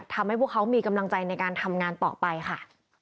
พวกเขามีกำลังใจในการทำงานต่อไปค่ะ